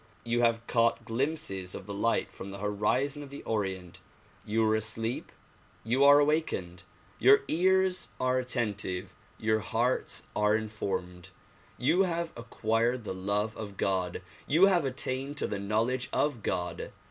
You have caught glimpses of the light from the horizon of the Orient. You were asleep; you are awakened. Your ears are attentive; your hearts are informed. You have acquired the love of God. You have attained to the knowledge of God.